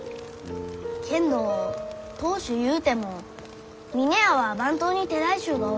けんど当主ゆうても峰屋は番頭に手代衆がおる。